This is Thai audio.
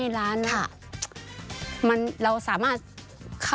สวัสดีค่ะสวัสดีค่ะ